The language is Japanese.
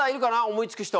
思いつく人。